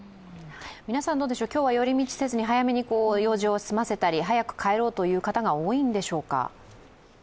皆さん、今日は寄り道せずに早めに用事を済ませたり、早く帰ろうという方、多いんでしょうか。